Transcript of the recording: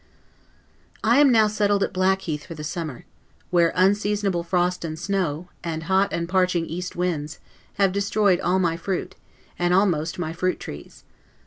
I am now settled at Blackheath for the summer; where unseasonable frost and snow, and hot and parching east winds, have destroyed all my fruit, and almost my fruit trees.